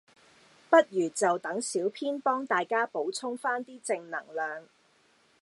不如就等小編幫大家補充返啲正能量